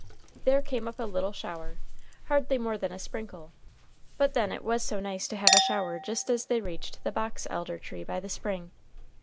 There came up a little shower, hardly more than a sprinkle, but then It was so nice to have a shower just as they reached the box elder tree by the spring!